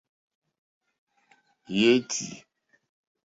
Yétì.